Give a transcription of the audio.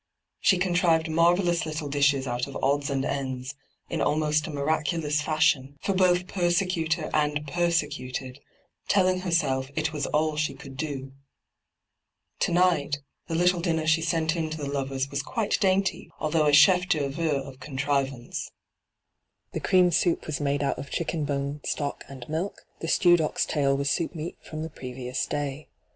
She con trived marvellous little dishes out of odds and ends, in almost a miraculous fashion, for both persecutor and persecuted, telling herself it was all she could do. To night, the little dinner she sent in to the lovers was quite dainty, although a ohef 2—2 nyt,, 6^hyG00glc 20 ENTRAPPED d'oeavre of contriTanoe. The oream soap was Inade out of ohiokea bone stock and milk ; the stewod oxtail was soapmeat from the previons day.